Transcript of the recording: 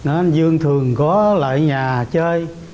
anh dương thường có lại nhà chơi